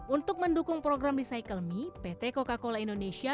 untuk mendukung program recycle me pt coca cola indonesia